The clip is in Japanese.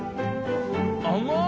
甘い！